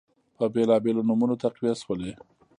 په بیلابیلو نومونو تقویه شولې